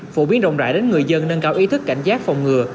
phổ biến rộng rãi đến người dân nâng cao ý thức cảnh giác phòng ngừa